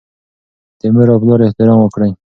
د مور او پلار احترام وکړئ.